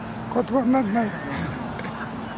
言葉にならない。